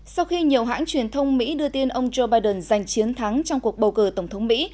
sau khi nhiều hãng truyền thông mỹ đưa tin ông joe biden giành chiến thắng trong cuộc bầu cử tổng thống mỹ